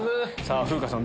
風花さん